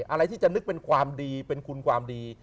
อะไรที่จะนึกเป็นความดีเป็นคุณความดี